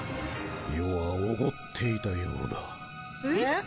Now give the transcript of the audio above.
余はおごっていたようだえ！？